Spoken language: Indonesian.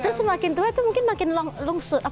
terus makin tua itu mungkin makin lungsur